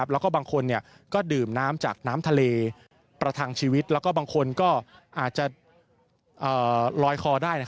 แล้วก็บางคนก็ดื่มน้ำจากน้ำทะเลประทังชีวิตแล้วก็บางคนก็อาจจะลอยคอได้